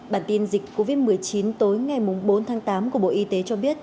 bản tin dịch covid một mươi chín tối ngày bốn tháng tám của bộ y tế cho biết